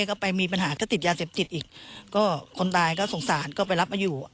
ก็ไปมีปัญหาก็ติดยาเสพติดอีกก็คนตายก็สงสารก็ไปรับมาอยู่